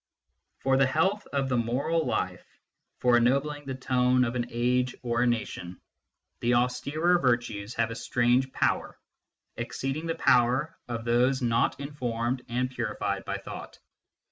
For the health of the moral life, for ennobling the tone THE STUDY OF MATHEMATICS 73 of an age or a nation, the austerer virtues have a strange power, exceeding the power of those not informed and purified by thought.